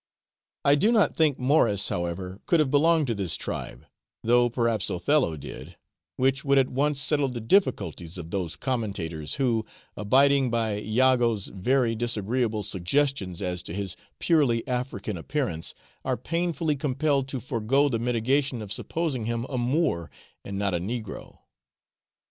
I do not think Morris, however, could have belonged to this tribe, though perhaps Othello did, which would at once settle the difficulties of those commentators who, abiding by Iago's very disagreeable suggestions as to his purely African appearance, are painfully compelled to forego the mitigation of supposing him a Moor and not a negro.